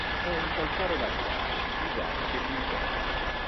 È un calcare naturale usato per gli interni.